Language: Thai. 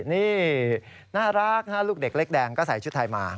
นี่น่ารักลูกเด็กเล็กแดงก็ใส่ชุดไทยมา